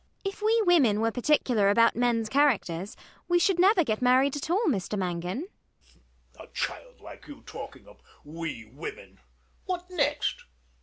ELLIE. If we women were particular about men's characters, we should never get married at all, Mr Mangan. MANGAN. A child like you talking of "we women"! What next!